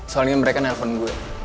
soalnya mereka nelpon gue